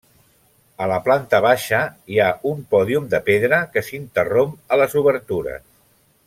A la planta baixa hi ha un pòdium de pedra que s'interromp a les obertures.